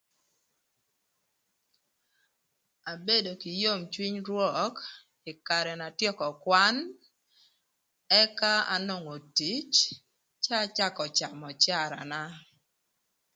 Abedo kï yom cwiny rwök ï karë n'atyeko kwan ëka anongo tic cë acakö camö öcarana